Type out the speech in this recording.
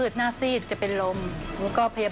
สวัสดีครับ